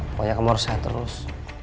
pokoknya kamu harus sehat terus